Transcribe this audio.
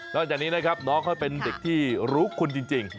จากนี้นะครับน้องเขาเป็นเด็กที่รู้คุณจริง